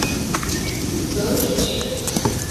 德比郡。